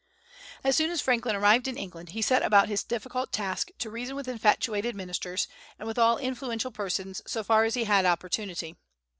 As soon as Franklin arrived in England he set about his difficult task to reason with infatuated ministers, and with all influential persons so far as he had opportunity.